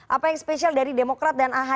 apa yang spesial dari demokrat dan ahy